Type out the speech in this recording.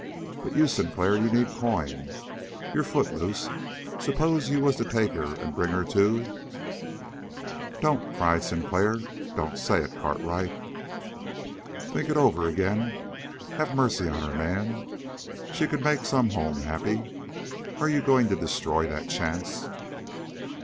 But you, Sinclair, you need coin. You're footloose. Suppose you was to take her and bring her to " "Don't!" cried Sinclair again. "Don't say it, Cartwright. Think it over again. Have mercy on her, man. She could make some home happy. Are you going to destroy that chance?"